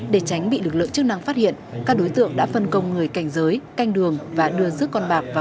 để tránh bị lực lượng chức năng phát hiện các đối tượng đã phân công người cảnh giới canh đường và đưa rước con bạc